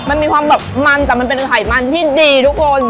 มันมีความแบบมันแต่มันเป็นไขมันที่ดีทุกคน